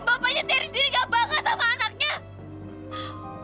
om bapanya terry sendiri nggak bangga sama anaknya